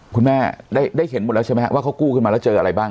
คุณแม่ได้เห็นหมดแล้วใช่ไหมครับว่าเขากู้ขึ้นมาแล้วเจออะไรบ้าง